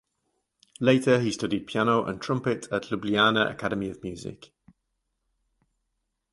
Later he studied piano and trumpet at Ljubljana Academy of Music.